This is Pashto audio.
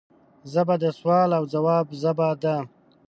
ژبه د سوال او ځواب ژبه ده